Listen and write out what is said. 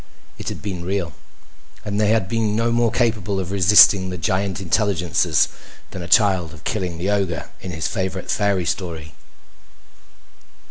It had been real. And they had been no more capable of resisting the giant intelligences than a child of killing the ogre in his favorite fairy story.